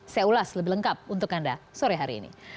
saya ulas lebih lengkap untuk anda sore hari ini